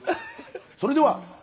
それでは！